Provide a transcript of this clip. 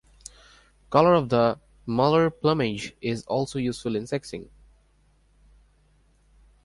Colour of the malar plumage is also useful in sexing.